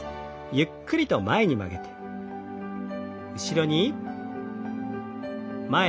ゆっくりと前に曲げて後ろに。